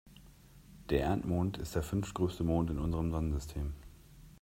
Der Erdmond ist der fünftgrößte Mond in unserem Sonnensystem.